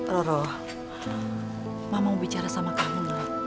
roro mama mau bicara sama kamu